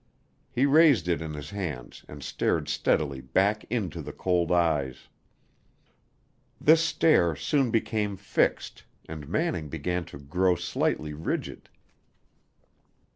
He raised it in his hands and stared steadily back into the cold eyes. This stare soon became fixed and Manning began to grow slightly rigid.